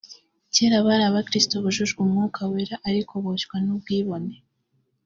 kera bari abakiristo bujujwe Umwuka Wera ariko boshywa n’ubwibone